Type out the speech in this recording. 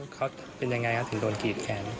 เขาเป็นยังไงครับถึงโดนกีดแขน